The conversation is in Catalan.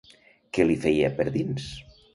Què li feia per dins?